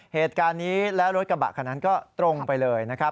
เหตุการณ์นี้และรถกระบะคันนั้นก็ตรงไปเลยนะครับ